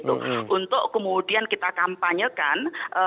untuk kemudian kita kampanyekan